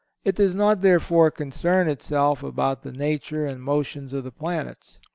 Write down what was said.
(175) It does not, therefore, concern itself about the nature and motions of the planets.